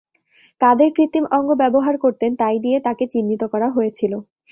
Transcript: কাদের কৃত্রিম অঙ্গ ব্যবহার করতেন, তাই দিয়ে তাঁকে চিহ্নিত করা হয়েছিল।